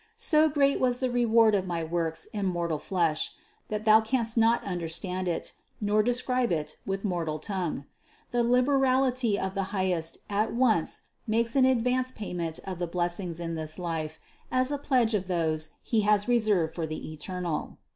So great was the reward of my works in mortal flesh, that thou canst not understand it, nor describe it with mortal tongue. The liberality of the Highest at once makes an advance payment of the bless ings in this life as a pledge of those He has reserved for the eternal.